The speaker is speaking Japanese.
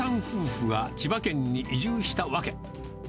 夫婦が千葉県に移住したわけ。